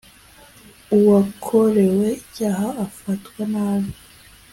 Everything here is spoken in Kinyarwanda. uwakorewe icyaha afatwa nabi